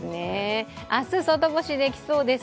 明日外干しできそうです